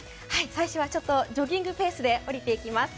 最初はちょっとジョギングペースで下りていきます。